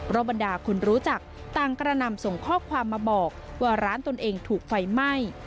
บรรดาคนรู้จักต่างกระนำส่งข้อความมาบอกว่าร้านตนเองถูกไฟไหม้